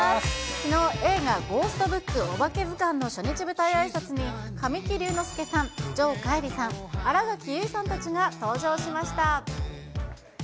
きのう、映画、ゴーストブックおばけずかんの初日舞台あいさつに、神木隆之介さん、城桧吏さん、新垣結衣さんたちが登場しました。